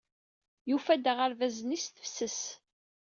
Yufa-d aɣerbaz-nni s tefses.